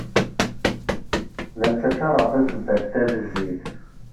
La ttacaṛeɣ tasebbalt-a d zzit.